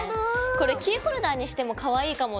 これキーホルダーにしてもかわいいかもって思った。